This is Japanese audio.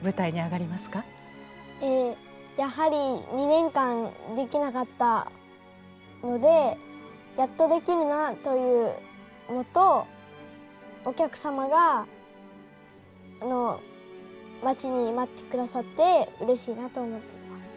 やはり２年間できなかったのでやっとできるなというのとお客様が待ちに待って下さってうれしいなと思っています。